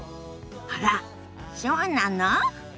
あらっそうなの？